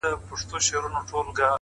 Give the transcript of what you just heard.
علم د ناپوهۍ پر وړاندې سپر دی